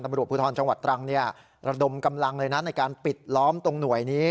ตำรวจภูทรจังหวัดตรังระดมกำลังเลยนะในการปิดล้อมตรงหน่วยนี้